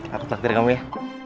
aku takdir kamu ya